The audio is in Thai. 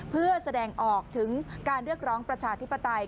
เพื่อแสดงออกถึงการเรียกร้องประชาธิปไตย